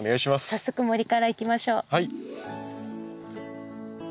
早速森から行きましょう。